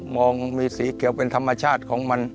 องมีสีเขียวเป็นธรรมชาติของมัน